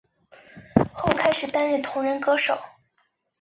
后开始担任同人歌手。